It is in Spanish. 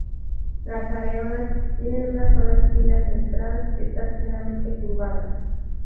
Las areolas tienen una sola espina central que está ligeramente curvada.